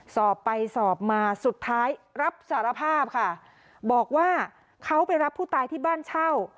สอบไปสอบมาสุดท้ายรับสารภาพค่ะบอกว่าเขาไปรับผู้ตายที่บ้านเช่า